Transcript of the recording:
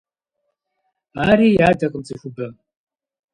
Ари ядакъым цӀыхубэм…